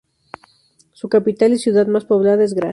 Su capital y ciudad más poblada es Graz.